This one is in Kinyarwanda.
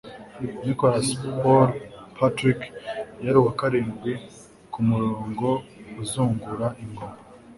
Nicholas Paul Patrick yari uwa karindwi kumurongo uzungura ingoma